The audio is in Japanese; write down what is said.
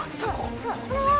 ・そのまま！